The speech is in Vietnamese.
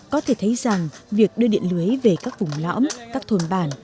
có thể thấy rằng việc đưa điện lưới về các vùng lõm các thôn bản